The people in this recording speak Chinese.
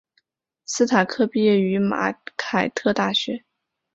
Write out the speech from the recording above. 史塔克毕业于马凯特大学。